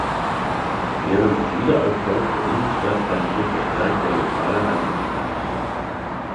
Während des Wiederaufbaus der Innenstadt fand hier verstärkt der lokale Handel statt.